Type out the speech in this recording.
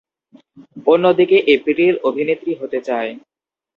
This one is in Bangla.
অন্যদিকে এপ্রিল অভিনেত্রী হতে চায়।